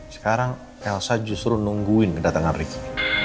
sekarang elsa justru nungguin kedatangan ricky